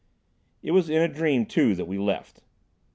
It was in a dream, too, that we left.